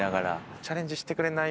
チャレンジしてくれない？